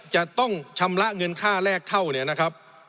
จะต้องชำระเงินค่าแรกเข้าเนี่ยนะครับ